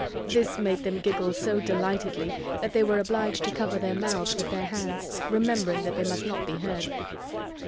This made them giggle so delightedly that they were obliged to cover their mouths with their hands, remembering that they must not be heard.